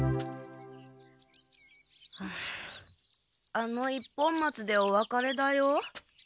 あの一本松でおわかれだよ。